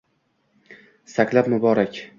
Saklab muborak.